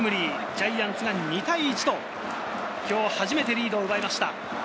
ジャイアンツが２対１と今日初めてリードを奪いました。